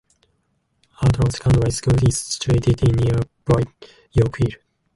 Outram Secondary School is situated in nearby York Hill.